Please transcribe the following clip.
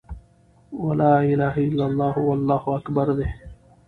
وَلَا إِلَهَ إلَّا اللهُ، وَاللهُ أكْبَرُ دي .